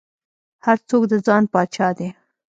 هر څوک د ځان پاچا دى.